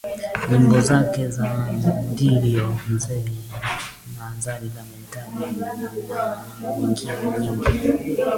Nyimbo zake za ndiyo mzee na zali la mentali na nyingine nyingi